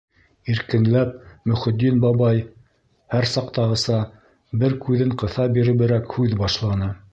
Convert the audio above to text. Иркенләп Мөхөтдин бабай, һәр саҡтағыса, бер күҙен ҡыҫа биреберәк һүҙ башланы.